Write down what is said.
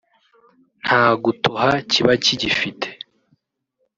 nta gutoha kiba kigifite